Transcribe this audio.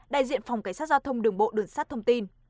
đại diện phòng cảnh sát giao thông đường bộ đường sát thông tin